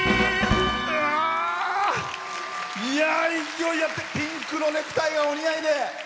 勢いがあってピンクのネクタイがお似合いで。